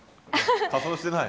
仮装してない。